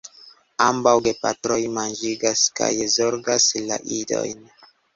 Ambaŭ gepatroj manĝigas kaj zorgas la idojn.